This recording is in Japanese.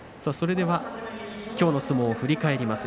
きょうの相撲を振り返ります。